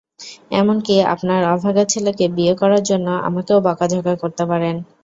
এমনকি আপনার অভাগা ছেলেকে বিয়ে করার জন্য আমাকেও বকাঝকা করতে পারেন।